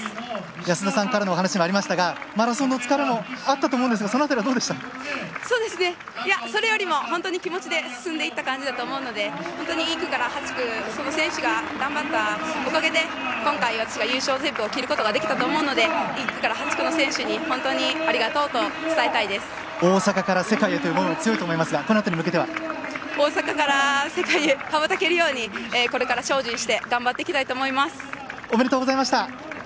安田さんからのお話もでもありましたがマラソンでの疲れもあったと思いますがそれよりも本当に気持ちで進んだ感じだと思うので１区から８区選手が頑張ったおかげで今回私が優勝テープを切ることができたと思うので１区から８区の選手に大阪から世界へという思いも大阪から世界へ羽ばたけるようにこれから精進しておめでとうございました。